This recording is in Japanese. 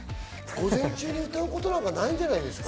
午前中に歌うことなんてないんじゃないですか？